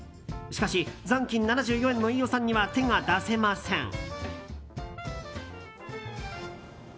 しかし、残金７４円の飯尾さんには手が出せません。